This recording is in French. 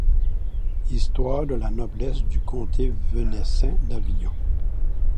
Histoire de la noblesse du conté venaissin d'Avignon.